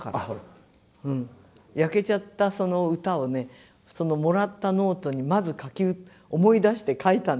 焼けちゃったその歌をねもらったノートにまず思い出して書いたんです。